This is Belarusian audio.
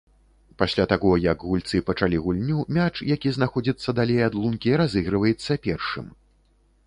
Пасля таго, як гульцы пачалі гульню, мяч, які знаходзіцца далей ад лункі разыгрываецца першым.